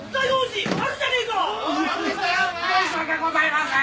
申し訳ございません！